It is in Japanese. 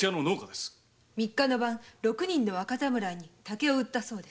三日の夜六人の若侍に竹を売ったそうです。